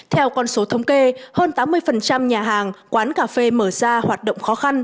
theo con số thống kê hơn tám mươi nhà hàng quán cà phê mở ra hoạt động khó khăn